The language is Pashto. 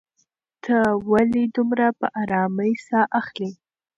ته ولې دومره په ارامۍ ساه اخلې؟